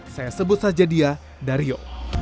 saya sebut saja dia dario